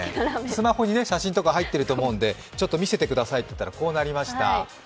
スマホに写真とか入ってると思うので見せてくださいって言ったらこうなりました。